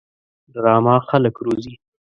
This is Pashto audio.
ډرامه خلک روزي